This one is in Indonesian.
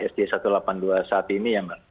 sd satu ratus delapan puluh dua saat ini ya mbak